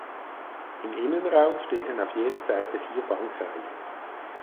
Im Innenraum stehen auf jeder Seite vier Bankreihen.